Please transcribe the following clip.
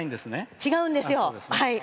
違うんですよ。